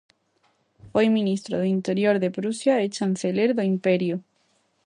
Foi ministro do Interior de Prusia e chanceler do Imperio.